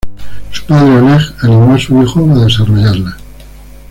Su padre, Oleg, animó a su hijo a desarrollarla.